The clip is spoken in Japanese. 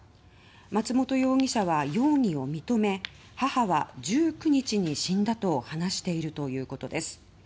松元容疑者は容疑を認め母は１９日に死んだと話しているということです。